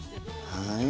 はい。